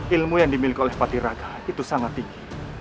ilmu yang dimiliki oleh patiraka itu sangat tinggi